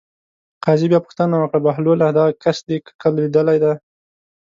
قاضي بیا پوښتنه وکړه: بهلوله دغه کس دې کله لیدلی دی.